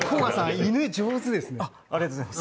犬、上手ですね。